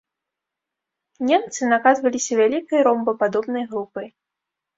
Немцы накатваліся вялікай ромбападобнай групай.